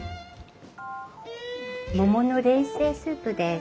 桃の冷製スープです。